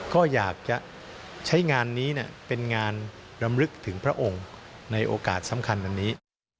ก็อยากจะใช้งานนี้เป็นงานรำลึกถึงพระองค์ในโอกาสสำคัญอันนี้